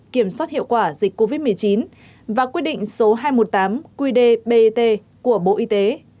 kiểm soát hiệu quả dịch covid một mươi chín và quyết định số hai trăm một mươi tám qdbt của bộ y tế